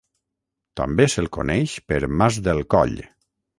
També se’l coneix per Mas del Coll.